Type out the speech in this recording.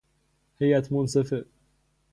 هیئت منصفه